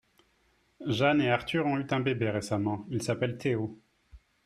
Jeanne et Arthur ont eu un bébé récemment, il s'appelle Théo.